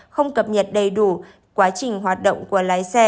không cập nhật đầy đủ quá trình hoạt động của lái xe